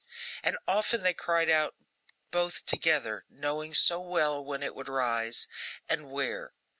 And often they cried out both together, knowing so well when it would rise, and where.